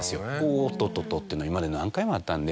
おっとととっていうのは今まで何回もあったんで。